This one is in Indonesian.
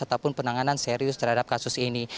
ataupun penanganan serius terhadap kasus ini